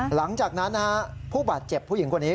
หลังจากนั้นผู้บาดเจ็บผู้หญิงคนนี้